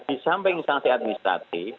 di samping sanksi administratif